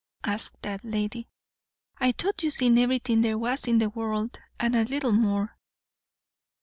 asked that lady. "I thought you'd seen everything there was in the world, and a little more."